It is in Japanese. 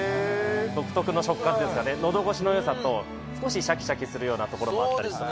独特の食感というか、のどごしのよさと、少ししゃきしゃきするようなところもあったりして。